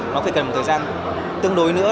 nó phải cần một thời gian tương đối nữa